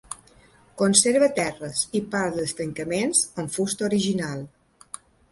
Conserva terres i part dels tancaments en fusta original.